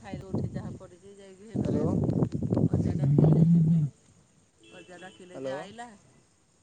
ଖାଇକି ଉଠିକି ଯାହା ପଡ଼ିଛି ଯାଇକି [unintelligible] ଅଜା ଡାକିଲେ ଯେମତୀ ଆଇଲା।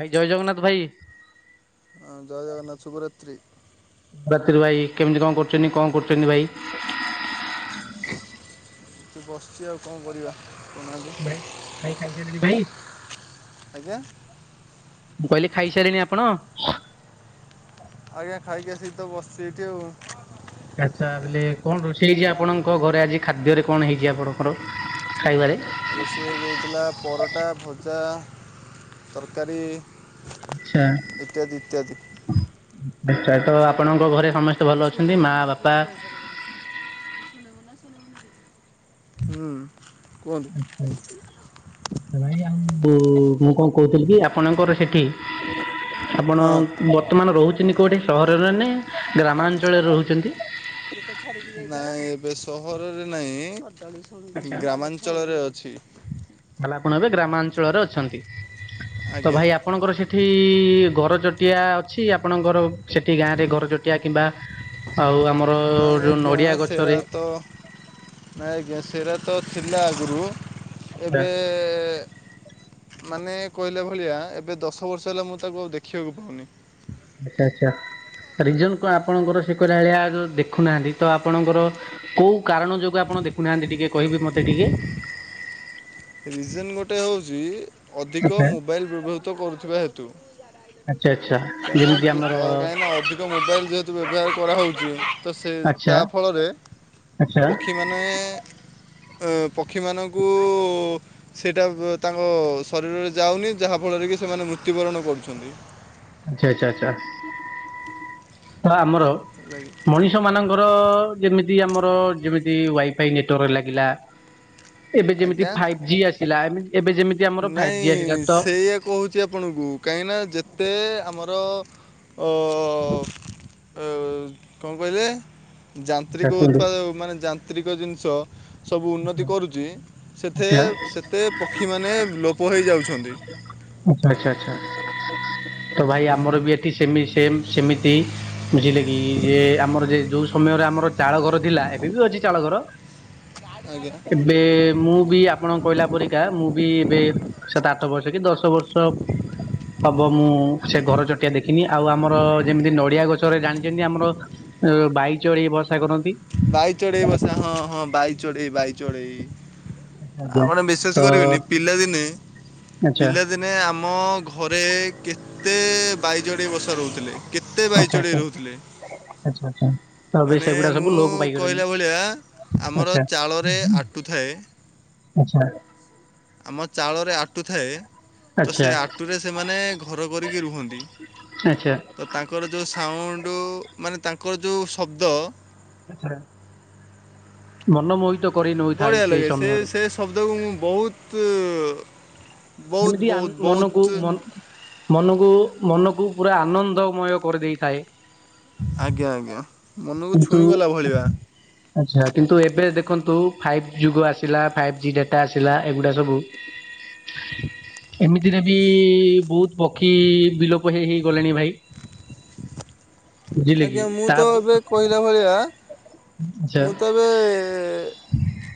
ଭାଇ ଜୟ ଜଗନ୍ନାଥ ଭାଇ। ହଁ ଜୟ ଜଗନ୍ନାଥ ଶୁଭରାତ୍ରୀ। ରାତ୍ରି ଭାଇ କେମିତି କଣ କରୁଛନ୍ତି କଣ କରୁଛନ୍ତି ଭାଇ। ଏଠି ବସିଛି ଆଉ କଣ କରିବା। କହୁନାହାନ୍ତି ଭାଇ ଭାଇ ଖାଇ ସାଇଲେଣି ଭାଇ। ଆଜ୍ଞା। ମୁଁ କହିଲି ଖାଇ ସାଇଲେଣି ଆପଣ। ଆଜ୍ଞା ଖାଇକି ଆସିକି ତ ବସିଛି ଏଇଠି ଆଉ। ଆଚ୍ଛା ଆଛା ବେଲେ କଣ ରୋଷେଇ ହେଇଛି ଆପଣଙ୍କ ଘରେ ଆଜି ଖାଦ୍ୟରେ କଣ ହେଇଛି ଆପଣଙ୍କର। ଖାଇବାରେ। ରୋଷେଇ ଆଜି ହେଇଥିଲା ପରଟା ଭଜା ତରକାରୀ। ଆଚ୍ଛା ଇତ୍ୟାଦି ଇତ୍ୟାଦି। ଆଚ୍ଛା ତ ଆପଣଙ୍କ ଘରେ ସମସ୍ତେ ଭଲ ଅଛନ୍ତି ଶୁଣୁନୁ ମା ହେଡା କୁ ବାପା କିଛି କହିପାରିବୁନି ଶୁଣିବୁ ନା ଶୁଣିବୁନି କିଛି ହୁଁ ଆଚ୍ଛା କୁହନ୍ତୁ? ଭାଇ ଆଉ ମୁଁ କଣ କହୁଥିଲି କି ଆପଣଙ୍କର ସେଠି ଆପଣ ବର୍ତ୍ତମାନ ରହୁଛନ୍ତି କୋଉଠି? ସହରରେ ନା ଗ୍ରାମାଞ୍ଚଳରେ ରହୁଛନ୍ତି? ନାଇଁ ବେଶ ସହରରେ ନାଇଁ ଆଚ୍ଛା ଗ୍ରାମାଞ୍ଚଳରେ ଅଛି। ତାହେଲେ ଆପଣ ଏବେ ଗ୍ରାମାଞ୍ଚଳରେ ଅଛନ୍ତି ତ ଆଜ୍ଞା ଭାଇ ଆପଣଙ୍କର ସେଠି ଏଠି ଘରଚଟିଆ ଅଛି ଆପଣଙ୍କର ସେଠି ଗାଁ ରେ ଘରଚଟିଆ କିମ୍ବା ଆଉ ଆମ ନାଇଁ ଆଜ୍ଞା ସେରା ତ ନାଇଁ ଆଜ୍ଞା ସେ ସେଇରା ତ ଥିଲା ଆଗରୁ ଆଚ୍ଛା ଏବେ ମାନେ କହିଲା ଭଳିଆ ଏବେ ଦଶ ବର୍ଷ ହେଲା ମୁଁ ତାକୁ ଆଉ ଦେଖିବାକୁ ପାଉନି। ଆଚ୍ଛା ଆଚ୍ଛା। ରିଜନ କଣ ଆପଣଙ୍କର ସେ କହିଲା ଭଳିଆ ଦେଖୁନାହାନ୍ତି ତ ଆପଣଙ୍କର କୋଉ କାରଣ ଯୋଗୁଁ ଆପଣ ପଣ ଦେଖୁନାହାନ୍ତି ଟିକେ କହିବେ ମତେ ଟିକେ। ରିଜନ୍ ଗୋଟେ ହେଉଛି ଅଧିକ ଆଚ୍ଛା ମୋବାଇଲ୍ ବ୍ୟବହୃତ କରୁଥିବା ହେତୁ। ଆଚ୍ଛା ଆଚ୍ଛା। ଯେମିତି କାହିଁକିନା ଆମର କାହିଁକିନା ଅଧିକ ମୋବାଇଲ ଯେହେତୁ ବ୍ୟବହାର କରାହେଉଛି ତ ସେ ଆଚ୍ଛା ତା ଫଳରେ ଆଚ୍ଛା ପକ୍ଷୀମାନେ ଆ ପକ୍ଷୀମାନଙ୍କୁ ସେଇଟା ବୁ ତାଙ୍କ ଶରୀରରେ ଯାଉନି ଯାହା ଫଳରେ କି ସେମାନେ ମୃତ୍ୟୁବରଣ କରୁଛନ୍ତି। ଆଚ୍ଛା ଆଚ୍ଛା ଆଚ୍ଛା ଆମର ହେଲା କି? ମଣିଷ ମାନଙ୍କ ମର ଯେମିତି ଆମର ଯେମିତି ୱାଇଫାଇ ନେଟୱାର୍କ ଲାଗିଲା। ଏବେ ଯେମିତି ଆଜ୍ଞା ଫାଇଭ୍ ଜି ଆସିଲା ଏମତି ନାଇଁ ସେଇୟା କହୁଛି ଆପଣଙ୍କୁ କାହିଁକି ନା ଯେତେ ଆମ ତ ଅ କଣ କହିଲେ? ଆଚ୍ଛା ଯାନ୍ତ୍ରିକ କୁହନ୍ତୁ ଉତ୍ପାଦ ମାନେ ଯାନ୍ତ୍ରିକ ଜିନିଷ ସବୁ ଉନ୍ନତି କରୁଛି ଆଚ୍ଛା ସେଥିରେ ସେତେ ପକ୍ଷୀମାନେ ଲୋପ ହେଇ ଯାଉଛନ୍ତି। ଆଚ୍ଛା ଆଚ୍ଛା ଆଚ୍ଛା ତ ଭାଇ ଆମର ବି ଏଠି ସେମି ସେମ୍ ସେମିତି ବୁଝିଲେ କି ଯେ ଆମର ଯେ ଯୋଉ ସମୟରେ ଆମର ଚାଳ ଘର ଥିଲା ଏବେ ବି ଅଛି ଚାଳ ଘର ଆ କହିଲେ ଏବେ [unintelligible] ମୁଁ ବି ଆପଣଙ୍କ କହିଲା ପରିକା ମୁଁ ବି ଏବେ ସାତ ଆଠ ବର୍ଷ କି ଦଶ ବର୍ଷ ହବ ମୁଁ ସେ ଘର ଚଟିଆ ଦେଖିନି ଆଉ ଆମର ଯେମିତି ନଡ଼ିଆ ଗଛରେ ଜାଣିଛନ୍ତି ଆମର ବାଇଚଢ଼େଇ ବ ବସା କରନ୍ତି ବାଇ ଚଢ଼େଇ ବସା ହଁ ହଁ ବାଇ ଚଢ଼େଇ ବାଇ ଚଢ଼େଇ। ଆଜ୍ଞା ଆପଣ ବିଶ୍ୱାସ ତ କରିବେନି ପିଲାଦିନେ ଆଚ୍ଛା ପିଲାଦିନେ ଆମ ଘରେ କେତେ ବାଇଚଢ଼େଇ ବସା ରହୁଥିଲେ। କେତେ ବାଇ ଆଚ୍ଛା ଚଢ଼େଇ ଆଚ୍ଛା ରହୁଥିଲେ ଆଚ୍ଛା ଆଚ୍ଛା। ତ ଏବେ ମାନେ ସେଗୁଡା ସବୁ ମୁଁ ଲୋପ ପାଇଗଲେଣି। କହିଲା ଭଳିଆ ଆମର ଆଚ୍ଛା। ଚାଳରେ ଆଟୁଥାଏ। ଆଚ୍ଛା। ଆମ ଚାଳରେ ଆଟୁ ଥାଏ। ତ ଆଚ୍ଛା ସେ ଆଟୁରେ ସେମାନେ ଘର କରିକି ରୁହନ୍ତି। ଆଚ୍ଛା ତ ତାଙ୍କର ଯୋଉ ସାଉଣ୍ଡ ମାନେ ତାଙ୍କର ଯୋଉ ଶବ୍ଦ ଆଚ୍ଛା ମନମୋହିତ କରି ନେଉଥାଏ ବଢ଼ିଆ ସେଇ ଲାଗେ ସେ ସମୟରେ ସେ ଶବ୍ଦକୁ ମୁଁ ବହୁତ ବହୁତ ଏମିତି ଆନ ବହୁତ ବହୁତ ମନକୁ ମ ମନକୁ ମନକୁ ପୁରା ଆନନ୍ଦମୟ କରିଦେଇଥାଏ। ଆଜ୍ଞା ଆଜ୍ଞା ମନକୁ କିନ୍ତୁ ଛୁଇଁ ଗଲା ଭଳିଆ। ଆଚ୍ଛା କିନ୍ତୁ ଏବେ ଦେଖନ୍ତୁ ଫାଇଭ ଯୁଗ ଆସିଲା ଫାଇଭ ଜି ଡାଟା ଆସିଲା ଏଗୁଡ଼ା ସବୁ ଏମିତିରେ ବି ବହୁତ ପକ୍ଷୀ ବିଲୋପ ହେଇ ହେଇ ଗଲେଣି ଭାଇ। ବୁଝିଲେ କି ଆଜ୍ଞା ମୁଁ ତା ତ ଏବେ ଆଚ୍ଛା କହିଲା ଭଳିଆ ମୁଁ ତ ଏବେ-ଏ-ଏ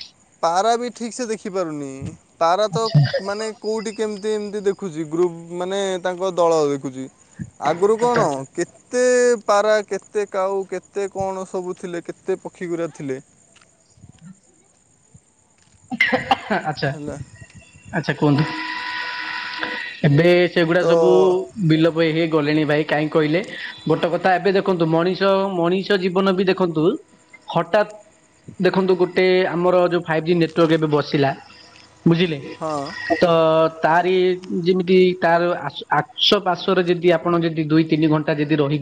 ପାରା ବି ଠିକ୍ ସେ ଦେଖିପାରୁନି। ପାରା ତ ଆଚ୍ଛା ମାନେ କେଉଁଠି କେମିତି ଦେଖୁଛି ଗ୍ରୁପ ମାନେ ତାଙ୍କ ଦଳ ଦେଖୁଛି ଆଗରୁ ଆଚ୍ଛା ଆଚ୍ଛା କଣ କେତେ-ଏ-ଏ ପାରା କେତେ କାଉ କେତେ କଣ ସବୁ ଥିଲେ କେତେ ପକ୍ଷୀଗୁରା ଥିଲେ। ହୁଁ ଆଛା ହେଲା ଆଛା କୁହନ୍ତୁ, ଏବେ-ଏ-ଏ ସେଗୁଡା ତ ସବୁ-ଉ-ଉ ବିଲୋପ ହେ ଗଲେଣି ଭାଇ କାହିଁ କହିଲେ ଗୋଟେ କଥା ଏବେ ଦେଖନ୍ତୁ ମଣିଷ ମଣିଷ ଜୀବନ ବି ଦେଖନ୍ତୁ ହଠାତ୍ ଦେଖନ୍ତୁ ଗୋଟେ ଆମର ଯୋଉ ଫାଇଭ୍ ଜି ନେ ଟୱାର୍କ ଏବେ ବସିଲା ବୁଝିଲେ ହଁ ତ-ଅ-ଅ ତାରି ଯେମିତି ତାର ଆଶ ଆଶ୍ୱପାଶ୍ଵରେ ଯଦି ଆପଣ ଯଦି ଦୁଇ ତିନି ଘଣ୍ଟା ଯଦି ରହିି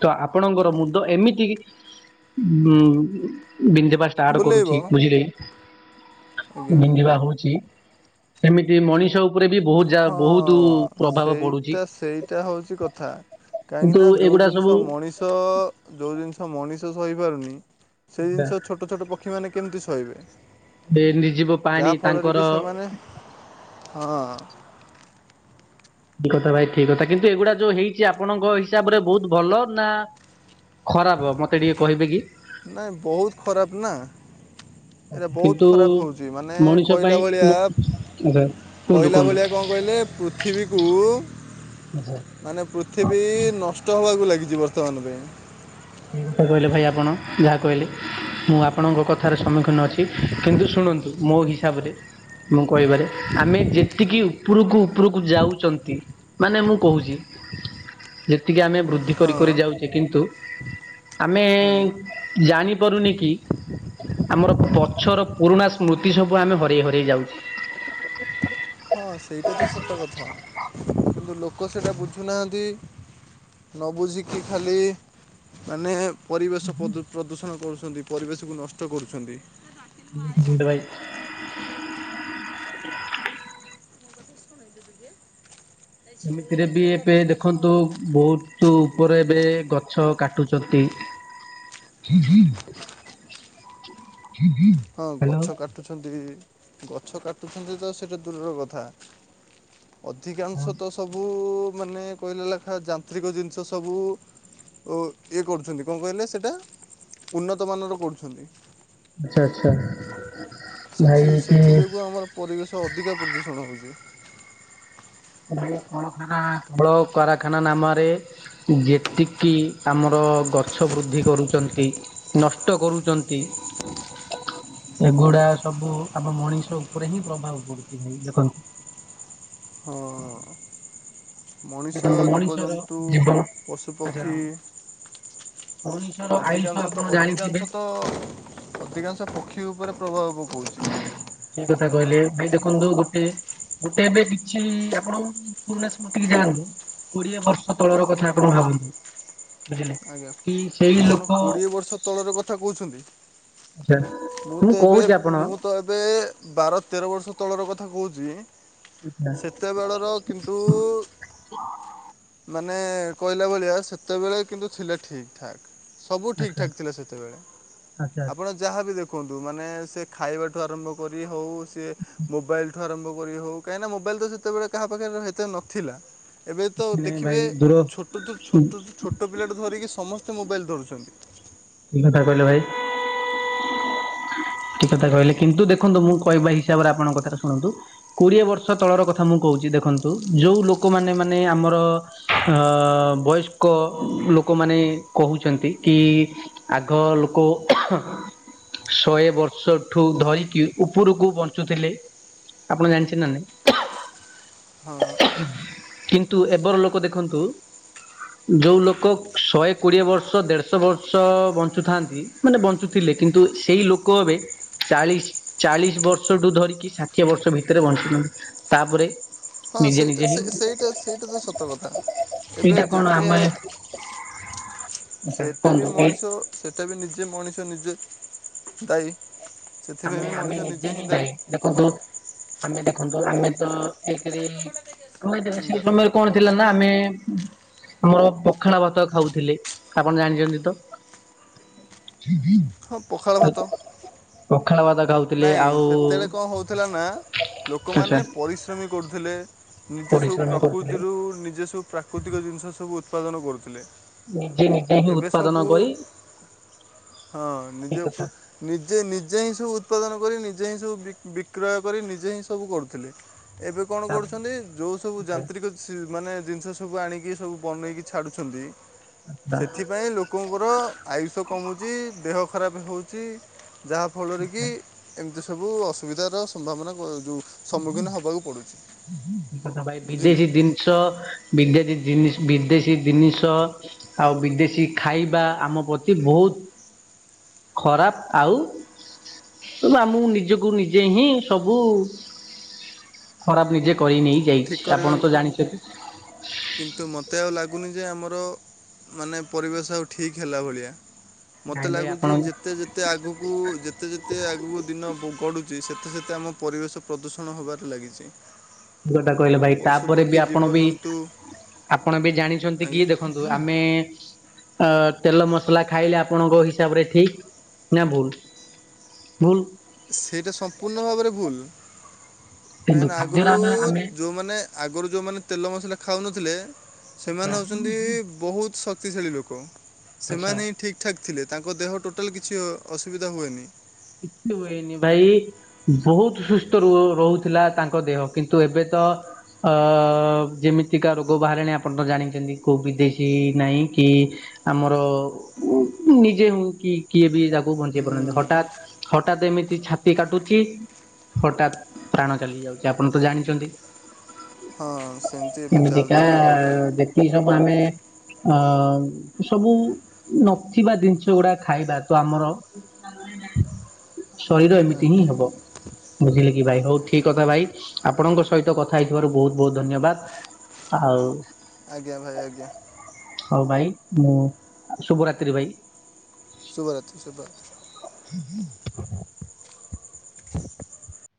ତ ଆପଣଙ୍କର ମୁଣ୍ଡ ଏମିତି ଉ-ଉ-ଉ ବିନ୍ଧବା ଷ୍ଟାର୍ଟ କରୁଛି ବୁଲେଇବ ବୁଝିଲେ। ଆଜ୍ଞା ବିନ୍ଧିବା ହଉଛି ସେମିତି ମଣିଷ ଉପ ପୂଜା ବହୁତୁ-ଉ-ଉ ହଁ ସେଇଟା ସେଇଟା ହଉଛି କଥା। କାହିଁକି କିନ୍ତୁ ନା ଯୋଉ ଏଗୁଡା ସବୁ ଜିନିଷ ମଣିଷ-ଅ-ଅ-ଅ ଯୋଉ ଜିନିଷ ମଣିଷ ସହି ପାରୁନି ସେଇ ଜିନିଷ ଏ ଛୋଟ ଛୋଟ ପକ୍ଷୀ ମାନେ କେମିତି ସହିବେ। ନିର୍ଜୀବ ପାଣି ଯାହା ଫଳରେ ତାଙ୍କର କି ସେମାନେ ହଁ। ଠି କଥା ଭାଇ ଠିକ କଥା କିନ୍ତୁ ଏଇଗୁଡା ଯୋଉ ହେଇଛି ଆପଣଙ୍କ ହିସାବ ରେ ବହୁତ ଭଲ ନା ଖରାପ ମତେ ଟିକେ କହିବେ କି। ନାଇଁ ବହୁତ ଖରାପ ନା ଏଇଟା ବହୁତ କିନ୍ତୁ ଖରାପ ହଉଛି ମାନେ ମଣିଷ କହିଲା ପାଇଁ ଭଳିଆ ଆଚ୍ଛା କୁହନ୍ତୁ କହିଲା କୁହନ୍ତୁ ଭଳିଆ କଣ କହିଲେ ପୃଥିବୀକୁ ଆଚ୍ଛା ମାନେ ପୃଥିବୀ-ଇ-ଇ ନଷ୍ଟ ହବାକୁ ଲାଗିଛି ବର୍ତ୍ତମାନ ପାଇଁ। ସେଇ କଥା କହିଲେ ଭାଇ ଆପଣ ଯାହା କହିଲେ। ମୁଁ ଆପଣଙ୍କ କଥାରେ ସମ୍ମୁଖୀନ ଅଛି। କିନ୍ତୁ ଶୁଣନ୍ତୁ ମୋ ହିସାବରେ ମୁଁ କହିବାରେ ଆମେ ଯେତିକି ଉପରକୁ ଉପରକୁ ଯାଉଛନ୍ତି ମାନେ ମୁଁ କହୁଛି ଯେତିକି ଆମେ ବୃଦ୍ଧି କରି ହଁ କରି ଯାଉଛେ କିନ୍ତୁ ହଁ ଆମେ-ଏ-ଏ-ଏ ଜାଣିପାରୁନି କି ଆମର ପଛର ପୁରୁଣା ସ୍ମୃତି ସବୁ ଆମେ ହରେଇ ହରେଇ ଯାଉଛି। ହଁ ସେଇଟା ତ ସତ କଥା କିନ୍ତୁ ଲୋକ ସେଇଟା ବୁଝୁ ନାହାଁନ୍ତି। ନ ବୁଝିକି ଖାଲି ମାନେ ପରିବେଶ ପ୍ରଦୂ ପ୍ରଦୂଷଣ କରୁ ସେମିତି ପରିବେଶକୁ ନଷ୍ଟ କରୁଛନ୍ତି। [unintelligible] ଭାଇ ଏମିତିରେ ବି ଏବେ ଦେଖନ୍ତୁ ବହୁତ ଉପରେ ଏବେ ଗଛ କାଟୁଛନ୍ତି। ହ ହୁଁ ହଁ ଗଛ କାଟୁଛନ୍ତି। ଗଛ କାଟୁଛନ୍ତି ତ ସେଇଟା ଦୂରର କଥା। ଅଧିକାଂଶ ତ ସବୁ-ଉ-ଉ-ଉ ମାନେ କହିଲା ଲେଖା ଯାନ୍ତ୍ରିକ ଜିନିଷ ସବୁ ଓ ଇଏ କରୁଛନ୍ତି କଣ କହିଲେ ସେଇଟା ଉନ୍ନତ ବାନର କରୁଛନ୍ତି। ଆଛା ଆଚ୍ଛା। ଭାଇ ସେଥି କି ସେଥି ଯୋଗୁଁ ଆମର ପରିବେଶ ଅଧିକା ପ୍ରଦୂଷଣ ହଉଛି। କଳଖାନା କଳ କାରଖାନା ନାମରେ ଯେତିକି ଆମର ଗଛ ବୃଦ୍ଧି କରୁଛନ୍ତି, ନଷ୍ଟ କରୁଛନ୍ତି। ଏଗୁଡା ସବୁ ଆମ ମଣିଷ ଉପରେ ହିଁ ପ୍ରଭାବ ପଡୁଛି ଦେଖନ୍ତୁ। ହଁ। ମଣିଷ, ଦେଖନ୍ତୁ ମଣିଷର ଜୀବଜନ୍ତୁ, ଜୀବନ ପଶୁପକ୍ଷୀ। ଆଚ୍ଛା ମଣିଷର ଆୟୁଷ ଅଧିକାଂଶ ତ ଆପଣ ଜାଣିଥିବେ ଅଧିକାଂଶ ତ ଅଧିକାଂଶ ପକ୍ଷୀ ଉପରେ ପ୍ରଭାବ ପୁଛି ସେ କହିଲେ ଭାଇ ଦେଖନ୍ତୁ ଗୋଟେ ଗୋଟେ ଏବେ କିଛି ଆପଣ ପୁରୁଣା ସ୍ମୁତିକୁ ଯାଆନ୍ତୁ କୋଡିଏ ବର୍ଷ ତଳର କଥା ଆପଣ ଭାବନ୍ତୁ ବୁଝିଲେ ଆଜ୍ଞା। କି ସେଇ ଆପଣ ଲୋକ କୋଡ଼ିଏ ବର୍ଷ ତଳର କଥା କହୁଛନ୍ତି ଆଚ୍ଛା ମୁଁ ତ ଏବେ କହୁଛି ଆପଣ ମୁଁ ତ ଏବେ ବାର ତେର ବର୍ଷ ତଳର କଥା କହୁଛି ଆଚ୍ଛା ସେତେବେଳର କିନ୍ତୁ ମାନେ କହିଲା ଭଳିଆ ସେତେବେଳେ କିନ୍ତୁ ଥିଲେ ଠିକ୍ ଠାକ୍ ସବୁ ଆଚ୍ଛା ଠିକଠାକ୍ ଥିଲା ସେତେବେଳେ ଆଚ୍ଛା ଆପଣ ଆଚ୍ଛା ଯାହାବି ଦେଖୁ ୁହନ୍ତୁ ମାନେ ସେ ଖାଇବାଠୁ ଆରମ୍ଭ କରି ହଉ ସି ମୋବାଇଲଠୁ ଆରମ୍ଭ ହଉ କାହିଁକି ନା ମୋବାଇଲ ତ ଯେତେବେଳେ କାହା ପାଖରେ ସେତେ ନଥିଲା ଏବେ ତ ନାଇଁ ଭାଇ ଦେଖିବେ ଦୂର ଛୋଟ ଛୋଟ ଠିକ ଛୋଟ ପିଲାଟା ଧରିକି ସମସ୍ତେ ମୋବାଇଲ୍ ଧରୁଛନ୍ତି କଥା କହିଲ ଭାଇ [inaudible] ିକ କଥା କହିଲେ କିନ୍ତୁ ଦେଖନ୍ତୁ ମୁଁ କହିବା ହିସାବରେ ଆପଣଙ୍କ କଥାଟ ଶୁଣନ୍ତୁ କୋଡିଏ ବର୍ଷ ତଳର କଥା ମୁଁ କହୁ ଦେଖନ୍ତୁ ଯୋଉ ଲୋକମାନେ ମାନେ ଆମର ବୟସ୍କ ଲୋକ ଲୋକ ମାନେ କହୁଛନ୍ତି କି ଆଗ ଲୋକ ଶହେ ବର୍ଷ ସେଠୁ ଧରିକି ଉପରକୁ ବଞ୍ଚୁଥିଲେ ଆପଣ ଜାଣିଛନ୍ତି ନ ନାଇଁ ହଁ କିନ୍ତୁ ଏବର ଲୋକ ଦେଖନ୍ତୁ ଯୋଉ ଲୋକ ଶହେ କୋଡିଏ ବର୍ଷ ଦେଢଶହ ବର୍ଷ ବଞ୍ଚୁଥାନ୍ତି ମାନେ ବଞ୍ଚୁଥିଲେି କିନ୍ତୁ ସେଇ ଲୋକେ ଏବେ ଚାଳିଶ ଚାଳିଶ ବର୍ଷଠୁ ଧରିକି ଷାଠିଏ ବର୍ଷ ଭିତରେ ବଞ୍ଚିଛନ୍ତି ତାପରେ ହଁ ନିଜେ ସେଇଟା ନିଜେ ହିଁ ସେ ସେଇଟା ସେଇଟା ତ ସତ କଥା ଏବେ ଏଇଟା କଣ ଯେତେ ଆମେ ସେଟା ବି କୁହନ୍ତୁ ଏଇ ମଣିଷ ସେଟା ବି ନିଜେ ମଣିଷ ନିଜେ ଦାୟୀ ସେଥିପାଇଁ ଆମେ ବି ଆମେ ମଣିଷ ନିଜେ ହିଁ ଥାଏ ଦେଖନ୍ତୁ ଆମେ ଦେଖନ୍ତୁ ଆମେ ତ ଏଇରି ଆମେ ସେଇ ଦାୟୀ ସମୟରେ କଣ ଥିଲା ନା ଆମେ ଆମର ପଖାଳ ଭାତ ଖାଉଥିଲେ ଆପଣ ଜାଣିଛନ୍ତି ତ [inaudible] ହଁ ପଖାଳ ଭାତ ଭାତ ଖାଉଥିଲେ ନାଇଁ ଆଉ ସେତେବେଳେ କଣ ହେଉଥିଲା ନା ଆଚ୍ଛା ଲୋକମାନେ ପରିଶ୍ରମୀ କରୁଥିଲେ ନିଜେ ସବୁ ପରିଶ୍ରମ କରୁଥିଲେ ପ୍ରକୃତିରୁ ନିଜେ ସବୁ ପ୍ରାକୃତିକ ଜିନିଷ ସବୁ ଉତ୍ପାଦନ କରୁଥିଲେ ନିଜେ ନିଜେ ହି ଏବେ ସବୁ ଉତ୍ପାଦନ କରି ହଁ ଠିକ ନିଜେ କଥା ନିଜେ ନିଜେ ହିଁ ସବୁ ଉତ୍ପାଦନ କରି ନିଜେ ହିଁ ସବୁ ବିକ୍ରୟ କରି ନିଜେ ହିଁ ସବୁ କରୁଥିଲେ ଏବେ କଣ ତା ଆଚ୍ଛା କରୁଛନ୍ତି ଯଉ ସବୁ ଯାନ୍ତ୍ରିକ ମାନେ ଜିନିଷ ସବୁ ଆଣିକି ସବୁ ବନେଇକି ଛାଡ଼ୁଛନ୍ତି ଆଚ୍ଛା ସେଥିପାଇ ଲୋକଙ୍କର ଆୟୁଷ କମୁଛି ଦେହ ଖରାପ ହେଉଛି ଯାହାଫଳରେ କି ଆଚ୍ଛା ଏମିତି ସବୁ ଅସୁବିଧାର ସମ୍ଭାବନା ଯେଉଁ ସମ୍ମୁଖୀନ ହେବାକୁ ପଡ଼ୁଛି କଥା ଭାଇ ବୁଝିଲେ ବିଦେଶୀ ଜିନିଷ ବିଦେଶୀ ଜି ବିଦେଶୀ ଜିନିଷ ଆଉ ବିଦେଶୀ ଖାଇବା ଆମ ପ୍ରତି ବହୁତ ଖରାପ ଆଉ ଆମକୁ ନିଜକୁ ନିଜେ ହିଁ ସବୁ ଖରାପ ନିଜେ କରି ନେଇ ଠିକ୍ ଯାଇଛି ଆପଣ ତ କରିବାକୁ ଜାଣି ମତେ ଆଉ ଲାଗୁନି ଯେ ଆମର ମାନେ ପରିବେଶ ଆଉ ଠିକ୍ ହେଲା ଭଳିଆ ମତେ ନାଇଁ ଭାଇ ଆପଣ ଲାଗୁଛି ଠିକ ଯେତେ ଯେତେ ଆଗକୁ ଯେତେ ଯେତେ ଆଗକୁ ଦିନ ଗଢୁଛି ସେତେ ସେତେ ଆମ ପରିବେଶ ପ୍ରଦୂଷଣ ହେବାରେ ଲାଗିଛି ଟା କହିଲେ ଭାଇ ତାପରେ ବି ପଶୁପକ୍ଷୀ ଆପଣ ବି ଜୀବଜନ୍ତୁ ଆପଣ ବି ଜାଣିଛନ୍ତି କି ଆଜ୍ଞା ଦେଖନ୍ତୁ ଆମେ ଅ ତେଲ ମସଲା ଖାଇଲେ ଆପଣଙ୍କ ହିସାବରେ ଠିକ ନା ଭୁଲ ଭୁଲ ସେଇଟା ସମ୍ପୂର୍ଣ୍ଣ ଭାବରେ ଭୁଲ। କିନ୍ତୁ କାହିଁକିନା ଆଗରୁ ଖାଦ୍ୟରେ ଆମେ ଆମେ ଯୋଉମାନେ ଆଗରୁ ଯେଉଁମାନେ ତେଲ ମସଲା ଖାଉନଥିଲେ ଆଚ୍ଛା ସେମାନେ ହେଉଛନ୍ତି ବହୁତ ଶ ଶକ୍ତିଶାଳୀ ଲୋକ ଆଚ୍ଛା। ସେମାନେ ହିଁ ଠିକ ଠାକ୍ ଥିଲେ ତାଙ୍କ ଦେହ ଟୋଟାଲ କିଛି ଅ ଅସୁବିଧା ହୁଏନି। କିଛି ହୁଏନି ଭାଇ ବହୁତ ସୁସ୍ଥ ର ରହୁଥିଲା ତାଙ୍କ ଦେହ କିନ୍ତୁ ଏବେ ତ ଅ ଯେମିତିକା ରୋଗ ବାହଣି ଆପଣ ତ ଜାଣିଛନ୍ତି କୋଉ ବିଦେଶୀ ନାହିଁ କି ଆମର ଉ ନିଜେ ହ କି କିଏ ବି ତାକୁ ବଞ୍ଚେଇ ହୁଁ ପାରୁନାହାନ୍ତି। ହଠାତ୍ ହଠାତ୍ ଏମିତି ଛାତି କାଟୁଛି। ହଠାତ୍ ପ୍ରାଣ ଚାଲି ଯାଉଛି ଆପଣ ତ ଜାଣିଛନ୍ତି। ହଁ ସେମିତି ଏବେ ଏମିତିକା ଚାଲିଛି। ଯେତିକି ସବୁ ଆମେ ଅ ସବୁ ନଥିବା ଜିନିଷ ଗୁଡା ଖାଇବା ତ ଆମର। [inaudible] ଶରୀର ଏମିତି ହିଁ ଆଜ୍ଞା ହବ ବୁଝିଲେ କି ଭାଇ ହଉ ଆଜ୍ଞା ଠିକ କଥା ଭାଇ ଆପଣଙ୍କ ସ ସହିତ କଥା ହେଇଥିବାରୁ ବହୁତ ବହୁତ ଧନ୍ୟବାଦ। ଆଉ ଆଜ୍ଞା ଭାଇ ଆଜ୍ଞା। ହଉ ଭାଇ ମୁଁ ଶୁଭରାତ୍ରି ଭାଇ। ଶୁଭରାତି ଶୁଭରାତି।